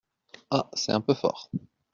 Ah ! c’est un peu fort…